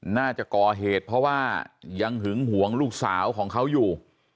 น่าจะก่อเหตุเพราะว่ายังหึงหวงลูกสาวของเขาอยู่